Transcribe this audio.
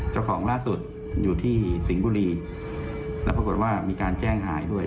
เจ้าของล่าสุดอยู่ที่สิงห์บุรีแล้วปรากฏว่ามีการแจ้งหายด้วย